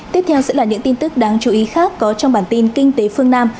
tiếp theo sẽ là những tin tức đáng chú ý khác có trong bản tin kinh tế phương nam